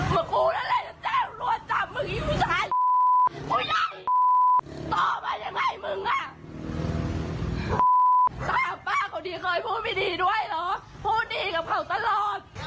มาโอกรุ่นะแล้วจะแจ้งจับหมึงไอ้ผู้ชาย